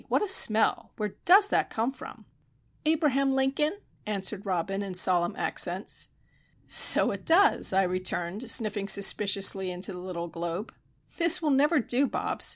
What a smell! Where does it come from?" "Abraham Lincoln," answered Robin, in solemn accents. "So it does!" I returned, sniffing suspiciously into the little globe. "This will never do, Bobs.